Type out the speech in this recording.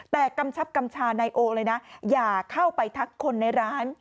แต่กำชับกำชานายโอเลยนะอย่าเข้าไปทักคนในร้าน